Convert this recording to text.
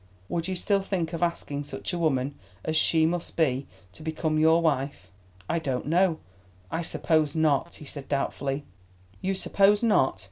Would you still think of asking such a woman as she must be to become your wife?" "I don't know; I suppose not," he said doubtfully. "You suppose not.